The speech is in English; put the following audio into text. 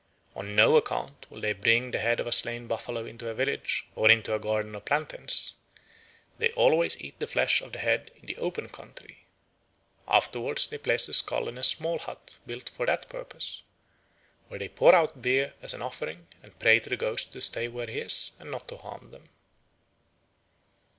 On no account will they bring the head of a slain buffalo into a village or into a garden of plantains: they always eat the flesh of the head in the open country. Afterwards they place the skull in a small hut built for the purpose, where they pour out beer as an offering and pray to the ghost to stay where he is and not to harm them.